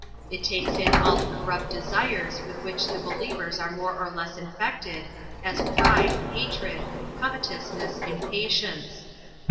It takes in all the corrupt desires with which the believers are more or less infected, as pride, hatred, covetousness, impatience.